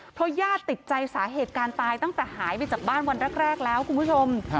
เพราะญาติติดใจสาเหตุการณ์ตายตั้งแต่หายไปจากบ้านวันแรกแล้วคุณผู้ชม